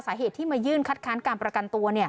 สาเหตุที่มายื่นคัดค้านการประกันตัว